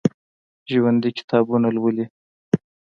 ژوندي کتابونه لولي